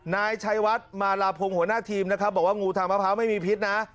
นายชัยวัดมาลาพงศ์หัวหน้าทีมนะครับบอกว่างูทางมะพร้าวไม่มีพิษนะ